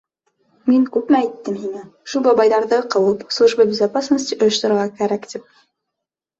Мин күпме әйттем һиңә, шул бабайҙарҙы ҡыуып, служба безопасности ойошторорға кәрәк, тип!